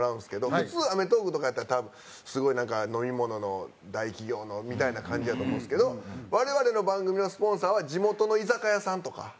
普通『アメトーーク』とかやったら多分すごいなんか飲み物の大企業のみたいな感じやと思うんですけど我々の番組のスポンサーは地元の居酒屋さんとか。